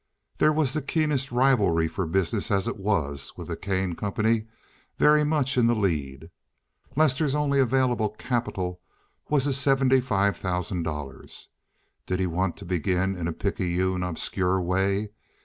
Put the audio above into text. There was the keenest rivalry for business as it was, with the Kane Company very much in the lead. Lester's only available capital was his seventy five thousand dollars. Did he want to begin in a picayune, obscure way?